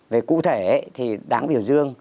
về cụ thể thì đáng biểu dương